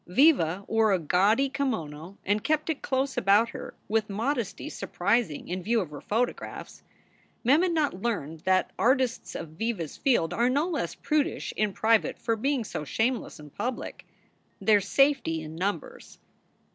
Viva wore a gaudy kimono and kept it close about her with a modesty surprising in view of her photographs. Mem had not learned that artists of Viva s field are no less prudish in private for being so shameless in public. There s safety in numbers.